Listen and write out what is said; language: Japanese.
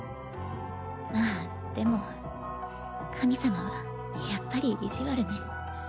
まあでも神様はやっぱり意地悪ね。